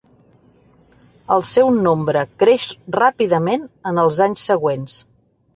El seu nombre creix ràpidament en els anys següents.